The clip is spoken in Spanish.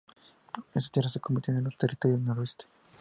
Estas tierras se convirtieron en los Territorios del Noroeste.